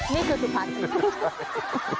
นี่คือสุภาษิทธิ์